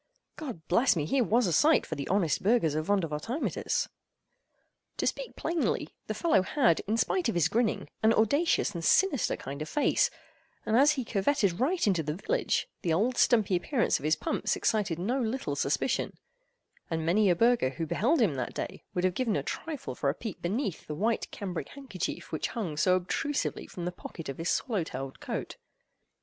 God bless me!—here was a sight for the honest burghers of Vondervotteimittiss! To speak plainly, the fellow had, in spite of his grinning, an audacious and sinister kind of face; and as he curvetted right into the village, the old stumpy appearance of his pumps excited no little suspicion; and many a burgher who beheld him that day would have given a trifle for a peep beneath the white cambric handkerchief which hung so obtrusively from the pocket of his swallow tailed coat.